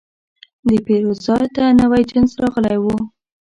د پیرود ځای ته نوی جنس راغلی و.